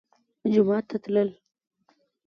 جومات ته تلل